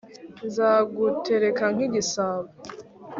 nzagutereka nk'igisabo